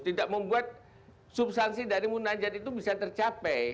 tidak membuat substansi dari munajat itu bisa tercapai